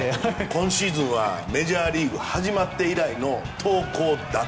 今シーズンはメジャーリーグ始まって以来の投高打